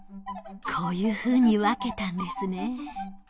こういうふうに分けたんですね。